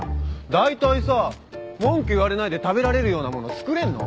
だいたいさ文句言われないで食べられるようなもの作れんの？